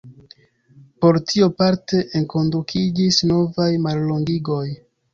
Por tio parte enkondukiĝis novaj mallongigoj.